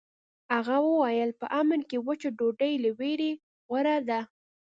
هغه وویل په امن کې وچه ډوډۍ له ویرې غوره ده.